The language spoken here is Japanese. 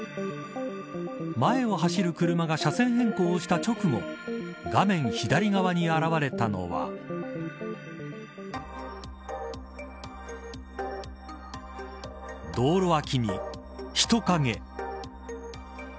前を走る車が車線変更をした直後画面左側に現れたのは道路脇に人影。